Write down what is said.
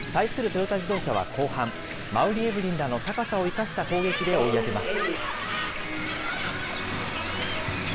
トヨタ自動車は後半、馬瓜エブリンらの高さを生かした攻撃で追い上げます。